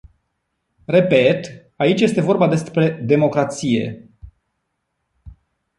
Repet, aici este vorba despre democrație.